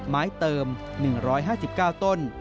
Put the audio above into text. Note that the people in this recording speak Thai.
ไม้เติม๑๕๙ต้น